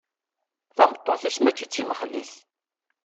Tameṭṭut-is mačči d timexlit.